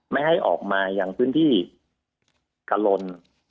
ไม่ให้ออกมาอย่างพื้นที่กะลน